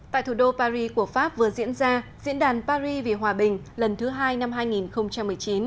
tại thủ đô paris của pháp vừa diễn ra diễn đàn paris vì hòa bình lần thứ hai năm hai nghìn một mươi chín